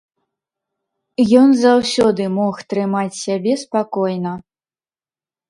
Ён заўсёды мог трымаць сябе спакойна.